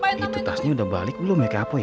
itu tasnya udah balik belum ya ke apa ya